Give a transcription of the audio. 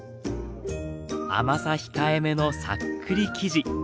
甘さ控えめのさっくり生地。